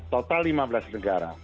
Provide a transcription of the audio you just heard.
total lima belas negara